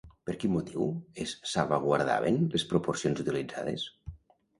Per quin motiu es salvaguardaven les proporcions utilitzades?